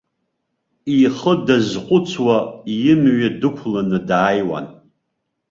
Ихы дазхәыцуа имҩа дықәланы дааиуан.